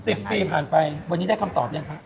สิบปีผ่านไปวันนี้ได้คำตอบยังคะ